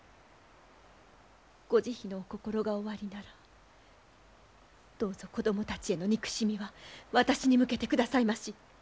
ご慈悲のお心がおありならどうぞ子供たちへの憎しみは私に向けてくださいまし。